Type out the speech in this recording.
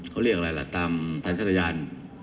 เขาเรียกอะไรตามธรรมชาตยาน